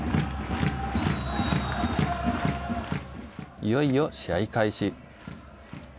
いよいよ試合開始。